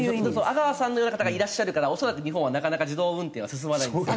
阿川さんのような方がいらっしゃるから恐らく日本はなかなか自動運転は進まないんですよ。